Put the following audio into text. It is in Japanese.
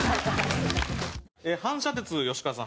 反射鉄吉川さん